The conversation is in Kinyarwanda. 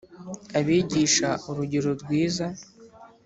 abigisha urugero rwiza.